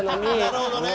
なるほどね。